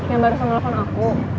yang baru ngelepon aku